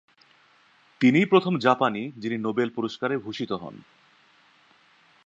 তিনিই প্রথম জাপানি যিনি নোবেল পুরস্কারে ভূষিত হন।